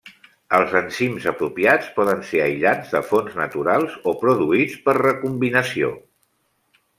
Els enzims apropiats poden ser aïllats de fonts naturals o produïts per recombinació.